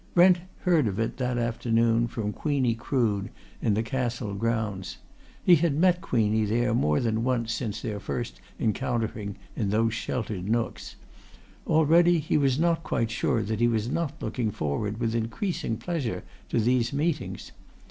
Brent heard of it that afternoon, from Queenie Crood, in the Castle grounds. He had met Queenie there more than once since their first encountering in those sheltered nooks: already he was not quite sure that he was not looking forward with increasing pleasure to these meetings.